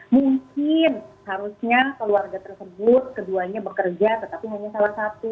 mungkin harusnya keluarga tersebut keduanya bekerja tetapi hanya salah satu